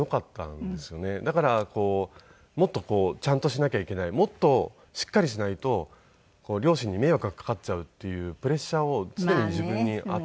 だからもっとこうちゃんとしなきゃいけないもっとしっかりしないと両親に迷惑がかかっちゃうっていうプレッシャーを常に自分に与えていたんですけど。